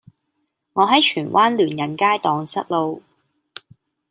我喺荃灣聯仁街盪失路